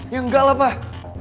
ya enggak lah pak